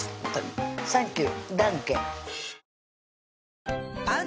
サンキュー